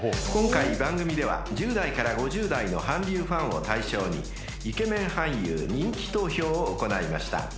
［今回番組では１０代から５０代の韓流ファンを対象にイケメン俳優人気投票を行いました］